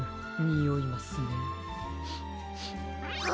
においますね！